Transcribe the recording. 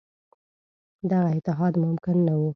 دغه اتحاد ممکن نه وو.